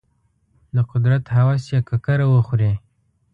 د قدرت هوس یې ککره وخوري.